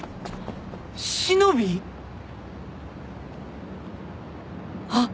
しのびぃ？あっ。